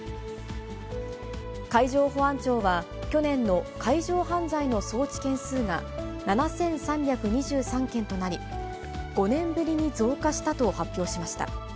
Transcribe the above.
海上保安庁は、去年の海上犯罪の送致件数が７３２３件となり、５年ぶりに増加したと発表しました。